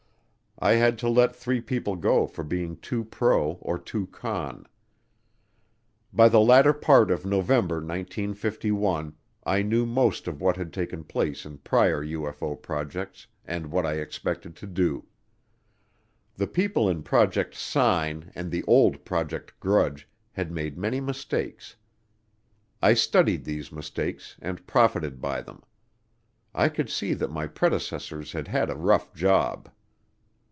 I had to let three people go for being too pro or too con. By the latter part of November 1951 I knew most of what had taken place in prior UFO projects and what I expected to do. The people in Project Sign and the old Project Grudge had made many mistakes. I studied these mistakes and profited by them. I could see that my predecessors had had a rough job.